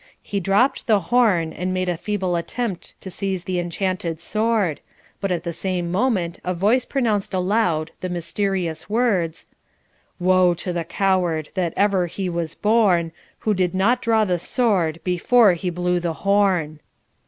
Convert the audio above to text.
He dropped the horn, and made a feeble attempt to seize the enchanted sword; but at the same moment a voice pronounced aloud the mysterious words: 'Woe to the coward, that ever he was born, Who did not draw the sword before he blew the horn!'